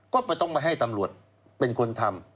ก็ต้องมาให้ตำรวจเป็นคนทำ